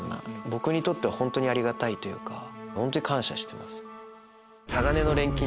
僕にとっては本当にありがたい本当に感謝してます。